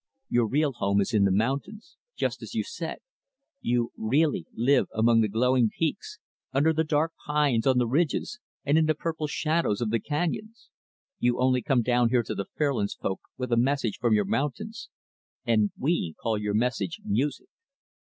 Your real home is in the mountains just as you said you really live among the glowing peaks, under the dark pines, on the ridges, and in the purple shadows of the canyons. You only come down here to the Fairlands folk with a message from your mountains and we call your message music.